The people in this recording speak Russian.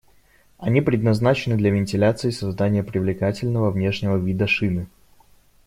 Они предназначены для вентиляции и создания привлекательного внешнего вида шины.